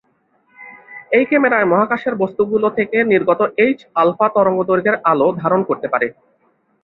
এই ক্যামেরায় মহাকাশের বস্তুগুলো থেকে নির্গত এইচ-আলফা তরঙ্গদৈর্ঘ্যের আলো ধারণ করতে পারে।